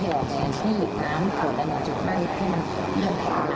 วันนั่นเรานับใบประมาณรองใชมีกว่า